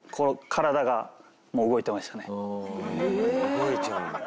動いちゃうんだ。